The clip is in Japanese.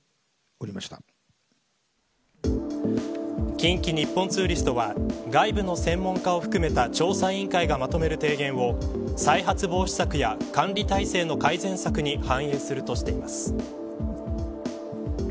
近畿日本ツーリストは外部の専門家を含めた調査委員会がまとめる提言を再発防止策や管理体制の改善策に反映するとしています。